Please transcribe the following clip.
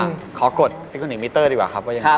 ขอกดซิโกนิกมิเตอร์ดีกว่าครับว่ายังไง